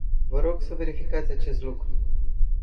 Vă rog să verificați acest lucru.